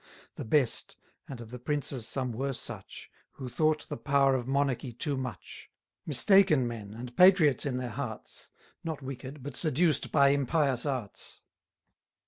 The best and of the princes some were such Who thought the power of monarchy too much; Mistaken men, and patriots in their hearts; Not wicked, but seduced by impious arts.